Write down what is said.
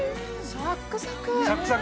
サックサク。